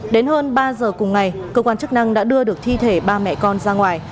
đến hơn ba giờ cùng ngày cơ quan chức năng đã đưa được thi thể ba mẹ con ra ngoài